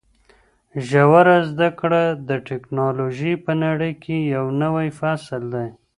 ژوره زده کړه د ټکنالوژۍ په نړۍ کې یو نوی فصل دی.